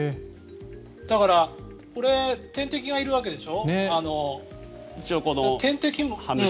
だから、天敵がいるわけでしょ。